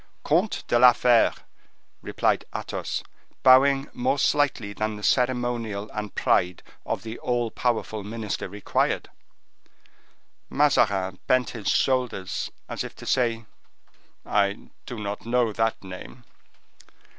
"Comte de la Fere," replied Athos, bowing more slightly than the ceremonial and pride of the all powerful minister required. Mazarin bent his shoulders, as if to say:— "I do not know that name."